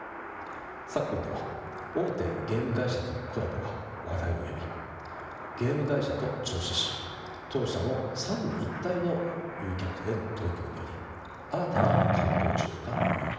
昨今では大手ゲーム会社とのコラボが話題を呼びゲーム会社と銚子市当社の三位一体の誘客への取り組みにより新たな観光需要が生まれております。